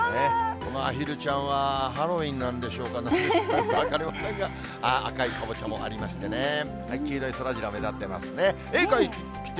このアヒルちゃんは、ハロウィーンなんでしょうか、分かりませんが、赤いかぼちゃもありましてね、黄色いそらジロー、目立ってますね。